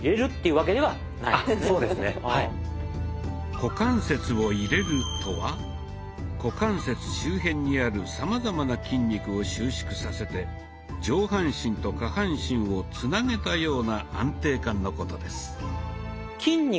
「股関節を入れる」とは股関節周辺にあるさまざまな筋肉を収縮させて上半身と下半身をつなげたような安定感のことです。